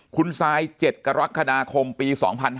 คุณซาย๗กรกฎาคมปี๒๕๕๙